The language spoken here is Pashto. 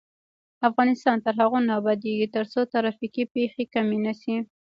افغانستان تر هغو نه ابادیږي، ترڅو ترافیکي پیښې کمې نشي.